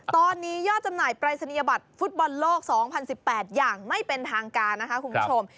ตอนนี้ยอดจำหน่ายปรายศนียบัตรฟุตบอลโลก๒๐๑๘อย่างไม่เป็นทางการนะคะคุณผู้ชม